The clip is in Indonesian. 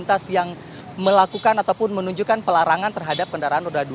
saya akan menunjukkan pelarangan terhadap kendaraan roda dua